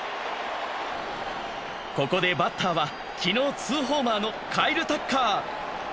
ここでバッターは昨日ツーホーマーのカイル・タッカー。